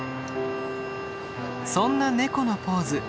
そんなネコのポーズ。